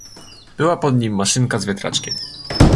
"Była pod nim maszynka z wiatraczkiem..."